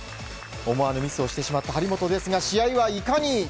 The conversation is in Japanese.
思わぬミスをしてしまった張本ですが試合は、いかに？